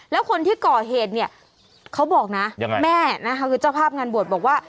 แล้วคนที่ก่อเหตุเนี่ยเขาบอกนะยังไงแม่นะคะคือเจ้าภาพงานบวชบอกว่า